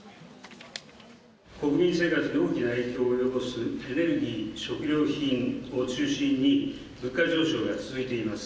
国民生活に大きな影響を及ぼすエネルギー、食料品を中心に、物価上昇が続いています。